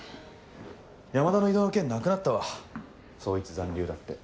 山田の異動の件なくなったわ捜一残留だって。